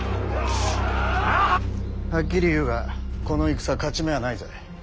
はっきり言うがこの戦勝ち目はないぜ。